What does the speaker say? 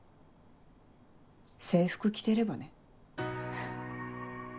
制服着てればね。